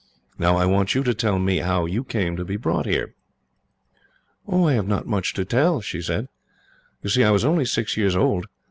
"Now, I want you to tell me how you came to be brought up here." "I have not much to tell," she said. "You see, I was only six years old.